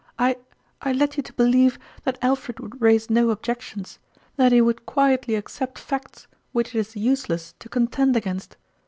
I I led you to believe that Alfred would raise no objections ; that he would quietly accept facts which it is useless to contend against.